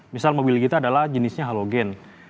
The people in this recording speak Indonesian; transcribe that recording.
misal mobil kita adalah jenisnya hallogen